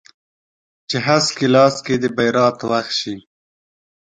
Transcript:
چې هسک یې لاس کې د بریا توغ شي